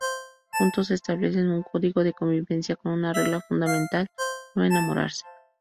Juntos establecen un "Código de convivencia" con una regla fundamental: no enamorarse.